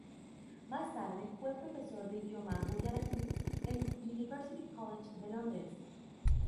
Más tarde fue profesor de idioma guyaratí en el University College de Londres.